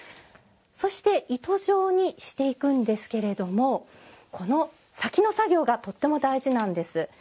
そして、糸状にしていくんですがこの先の作業がとても大事なんです。